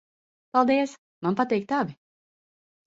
Paldies. Man patīk tavi.